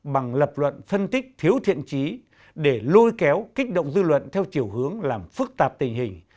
bằng lập luận phân tích thiếu thiện trí để lôi kéo kích động dư luận theo chiều hướng làm phức tạp tình hình